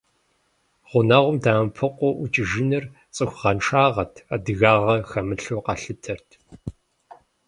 Гъунэгъум дэмыӀэпыкъуу ӀукӀыжыныр цӀыхугъэншагъэт, адыгагъэ хэмылъу къалъытэрт.